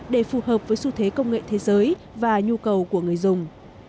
để phù hợp với xu thế công nghệ thế giới và nhu cầu của người dùng